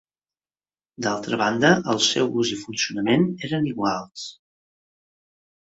D'altra banda, el seu ús i funcionament eren iguals.